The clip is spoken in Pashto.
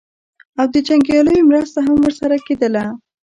او د جنګیالیو مرسته هم ورسره کېدله.